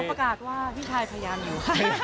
ประกาศว่าพี่ชายพยายามอยู่